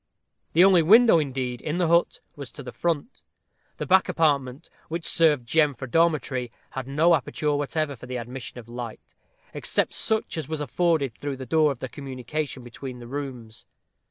The only window, indeed, in the hut, was to the front; the back apartment, which served Jem for dormitory, had no aperture whatever for the admission of light, except such as was afforded through the door of communication between the rooms.